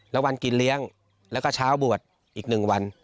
แล้ววันกินเลี้ยงแล้วก็เช้าบวชอีก๑วัน